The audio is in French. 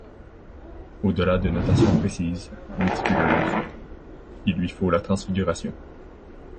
Au-delà de notations précises, méticuleuses, il lui faut la transfiguration.